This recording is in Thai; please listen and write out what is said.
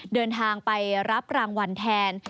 เดินทางไปรับรางวัลแทน